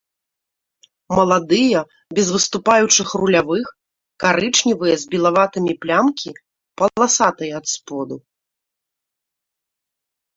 Маладыя без выступаючых рулявых, карычневыя з белаватымі плямкі, паласатыя ад споду.